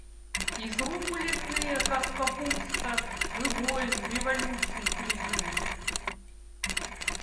Изрубленные, как капуста, мы войн, революций призы.